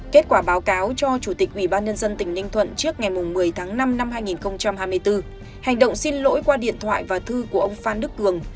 kết quả báo cáo cho chủ tịch ubnd tỉnh ninh thuận trước ngày một mươi tháng năm năm hai nghìn hai mươi bốn hành động xin lỗi qua điện thoại và thư của ông phan đức cường